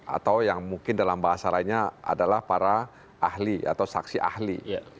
atau yang mungkin dalam bahasa lainnya adalah para ahli atau saksi ahli